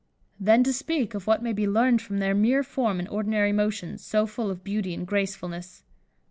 Then to speak of what may be learned from their mere form and ordinary motions, so full of beauty and gracefulness.